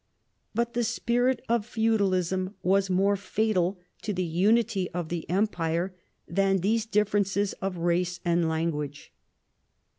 But the spirit of feudalism was more fatal to the unity of the em pire than these differences of race and language.